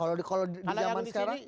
kalau di zaman sekarang